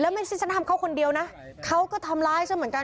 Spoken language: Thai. ไม่ใช่ฉันทำเขาคนเดียวนะเขาก็ทำร้ายฉันเหมือนกัน